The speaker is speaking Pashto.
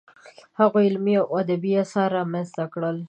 هغوی علمي او ادبي اثار رامنځته کړل.